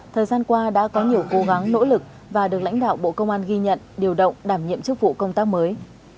thời gian qua đã có nhiều cố gắng nỗ lực và được lãnh đạo bộ công an ghi nhận điều động đảm nhiệm chức vụ công tác mới